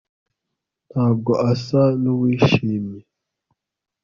Ntabwo asa nuwishimye